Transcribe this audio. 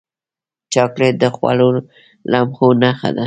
چاکلېټ د خوږو لمحو نښه ده.